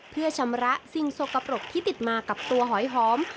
เพื่อชำระสิ่งสกปรกที่ติดมากับตัวหอยหอม